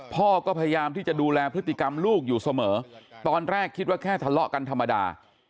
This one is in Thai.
พ่อก็พยายามที่จะดูแลพฤติกรรมลูกอยู่เสมอตอนแรกคิดว่าแค่ทะเลาะกันธรรมดา